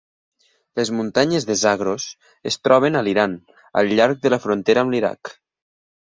Les muntanyes de Zagros es troben a l'Iran, al llarg de la frontera amb l'Iraq.